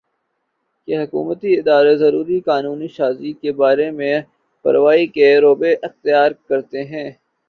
کہ حکومتی ادارے ضروری قانون سازی کے بارے میں بے پروائی کا رویہ اختیار کرتے ہیں